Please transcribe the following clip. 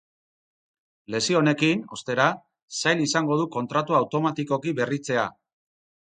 Lesio honekin, ostera, zail izango du kontratua automatikoki berritzea.